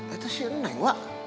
itu si eneng wak